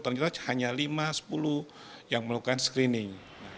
ternyata hanya lima sepuluh yang melakukan screening